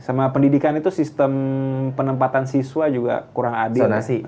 sama pendidikan itu sistem penempatan siswa juga kurang adil